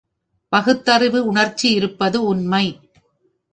பகுத்தறிவு உணர்ச்சி இருப்பது உண்மை.